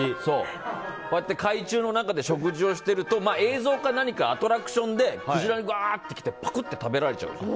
こうやって、海中の中で食事をしてると映像か何か、アトラクションでクジラがわーって来て食べられちゃう。